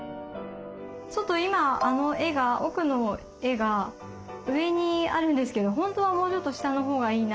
ちょっと今あの絵が奥の絵が上にあるんですけど本当はもうちょっと下の方がいいな。